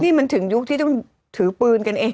นี่มันถึงยุคที่ต้องถือปืนกันเอง